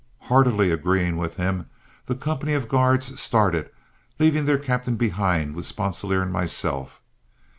Heartily agreeing with him, the company of guards started, leaving their captain behind with Sponsilier and myself.